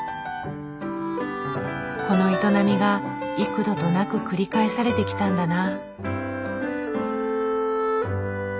この営みが幾度となく繰り返されてきたんだな。